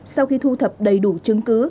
sau khi thu thập đầy đủ chứng cứ